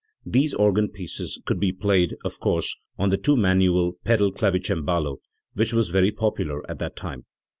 These organ pieces could be played, of course, on the two manual pedal clavicembalo, which was very popular at that time.